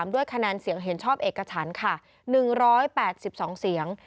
ด้วยคะแนนเสียงเห็นชอบเอกฉันค่ะ๑๘๒เสียง